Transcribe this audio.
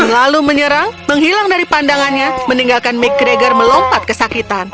lalu menyerang menghilang dari pandangannya meninggalkan mcgregor melompat kesakitan